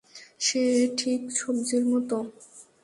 সে ঠিক সবজির মতো!